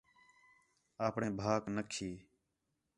آپݨے بھاک نہ کھی